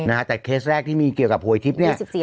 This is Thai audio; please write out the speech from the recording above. นะฮะแต่เคสแรกที่มีเกี่ยวกับหวยทิพย์เนี่ย